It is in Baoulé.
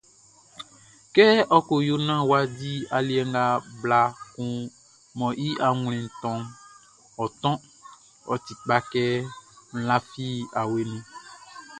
Kɛ ɔ ko yo naan wʼa di aliɛ nga bla kun mɔ i wawɛʼn wʼa tɔʼn, ɔ tɔnʼn, ɔ ti kpa, kɛ n lafi awe nunʼn.